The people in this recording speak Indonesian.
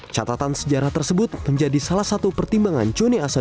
catatan sejarah tersebut menjadi salah satu konteks yang berhasil diperlukan oleh penyelenggaraan